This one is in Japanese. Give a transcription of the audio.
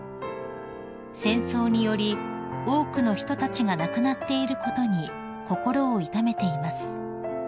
「戦争により多くの人たちが亡くなっていることに心を痛めています」